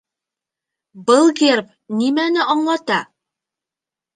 Был герб нимәне аңлата?